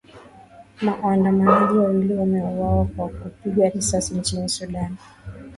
Waandamanaji wawili wameuawa kwa kupigwa risasi nchini Sudan